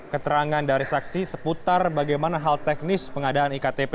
keterangan dari saksi seputar bagaimana hal teknis pengadaan iktp